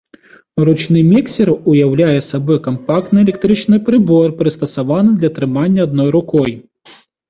Ручны міксер уяўляе сабой кампактны электрычны прыбор, прыстасаваны для трымання адной рукой.